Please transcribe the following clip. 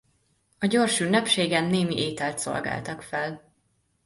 A gyors ünnepségen némi ételt szolgáltak fel.